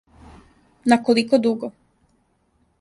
На колико дуго?